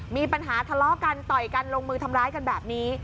มีปัญหาทะเลาะกันต่อยกันลงมือทำร้ายกันแบบนี้